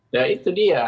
ya itu dia